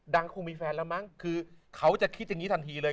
คงมีแฟนแล้วมั้งคือเขาจะคิดอย่างนี้ทันทีเลย